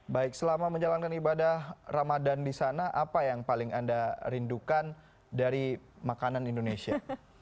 baik selama menjalankan ibadah ramadan di sana apa yang paling anda rindukan dari makanan indonesia